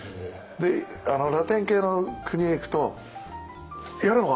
ラテン系の国へ行くと「やるのか。